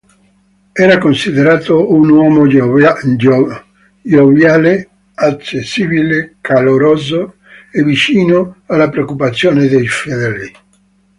Era considerato un uomo gioviale, accessibile, caloroso e vicino alle preoccupazioni dei fedeli.